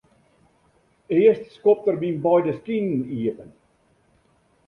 Earst skopt er myn beide skinen iepen.